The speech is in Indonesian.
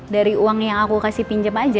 dari uang yang aku kasih pinjam aja